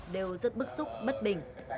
đều rất bức xúc bất bình